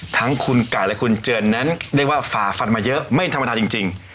ทั้งคุณไก่และคุณเจินนั้นเรียกว่าฝ่าฟันมาเยอะไม่ธรรมดาจริง